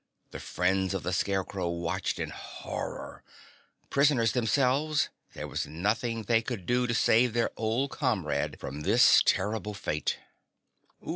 The friends of the Scarecrow watched in horror. Prisoners themselves, there was nothing they could do to save their old comrade from this terrible fate.